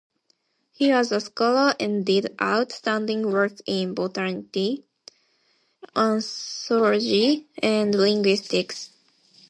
He was a scholar and did outstanding work in botany, anthropology and linguistics.